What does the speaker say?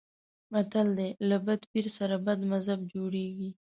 متل دی: له بد پیر سره بد مذهب جوړېږي.